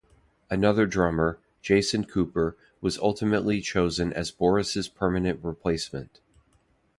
Another drummer, Jason Cooper, was ultimately chosen as Boris's permanent replacement.